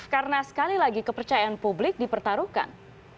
karena sekali lagi kepercayaan publik dipertaruhkan